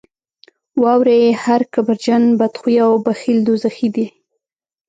واورئ هر کبرجن، بدخویه او بخیل دوزخي دي.